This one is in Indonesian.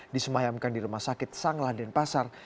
disemayamkan di rumah sakit sang lahden pasar